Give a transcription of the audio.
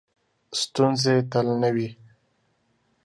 ستونزې تل نه وي .